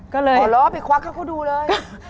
ก็เลยขอล้อไปควักเขาก็ดูเลย